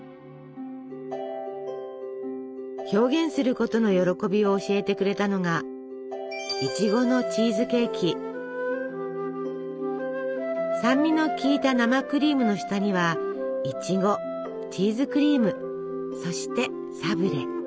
表現することの喜びを教えてくれたのが酸味の効いた生クリームの下にはいちごチーズクリームそしてサブレ。